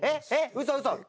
嘘嘘。